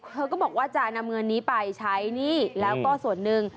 เธอก็บอกว่าจะนำเงินนี้ไปใช้หนี้แล้วก็ส่วนหนึ่ง